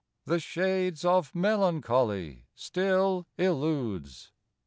The shades of Melancholy still eludes.